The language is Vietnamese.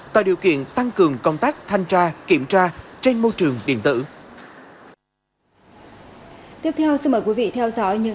tạo điều kiện tăng cường công tác thanh tra kiểm tra trên môi trường điện tử